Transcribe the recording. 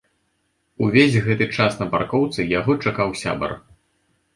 Увесь гэты час на паркоўцы яго чакаў сябар.